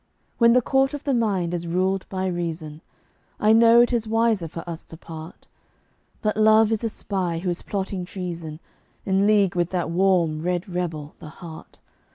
When the court of the mind is ruled by Reason, I know it is wiser for us to part; But Love is a spy who is plotting treason, In league with that warm, red rebel, the Heart.